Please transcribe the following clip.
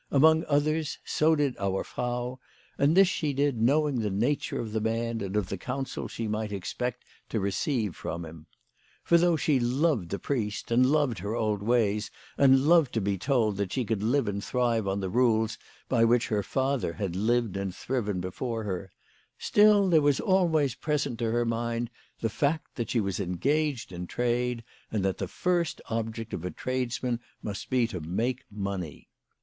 Among others so did our Frau, and this she did knowing the nature of the man and of the counsel she might expect to receive from him. For though she loved the priest, and loved her old ways, and loved to be told that she could live and thrive on the rules by which her father had lived and thriven before her, still, there was always pre sent to her mind the fact that she was engaged in trade, and that the first object of a tradesman must be to make money.